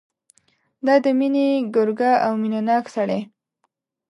دا د مینې ګرګه او مینه ناک سړی.